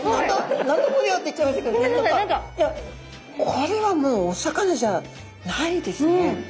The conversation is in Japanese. いやこれはもうお魚じゃないですね。